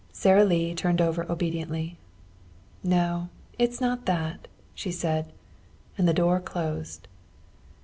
Sara Lee turned over obediently. "No. It's not that," she said. And the door closed.